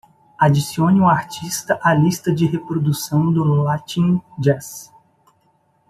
Adicione o artista à lista de reprodução do Latin Jazz.